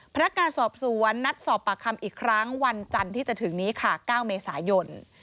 พนักงานสอบสวนนัดสอบปากคำอีกครั้งวันจันทร์ที่จะถึงนี้ค่ะ๙เมษายน